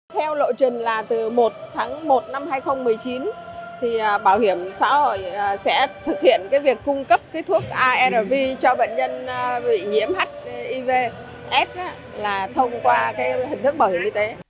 theo lộ trình là từ một tháng một năm hai nghìn một mươi chín thì bảo hiểm xã hội sẽ thực hiện việc cung cấp thuốc arv cho bệnh nhân bị nhiễm hivs là thông qua hình thức bảo hiểm y tế